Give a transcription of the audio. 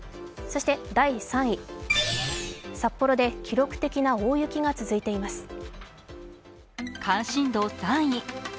そして第３位、札幌で記録的な大雪が続いています。